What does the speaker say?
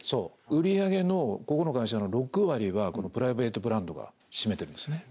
売り上げのここの会社の６割はプライベートブランドが占めてるんですね